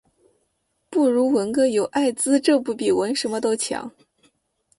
不如纹个“有艾滋”这不比纹什么都强